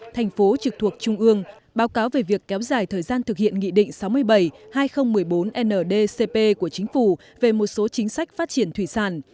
thành phố trực thuộc trung ương báo cáo về việc kéo dài thời gian thực hiện nghị định sáu mươi bảy hai nghìn một mươi bốn ndcp của chính phủ về một số chính sách phát triển thủy sản